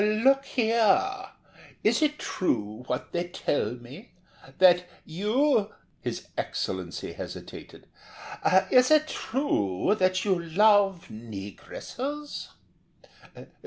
"Look here, is it true, what they tell me, that you——" His Excellency hesitated, "is it true that you love negresses?"